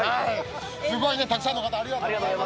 すごいね、たくさんの方ありがとうございます。